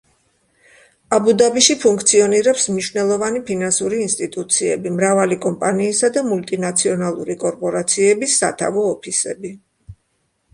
აბუ-დაბიში ფუნქციონირებს მნიშვნელოვანი ფინანსური ინსტიტუციები, მრავალი კომპანიისა და მულტინაციონალური კორპორაციების სათავო ოფისები.